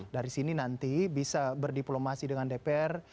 dari sini nanti bisa berdiplomasi dengan dpr